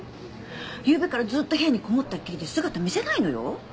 ゆうべからずっと部屋に籠もったっきりで姿見せないのよ？